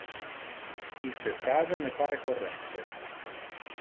Iste phrase me pare correcte.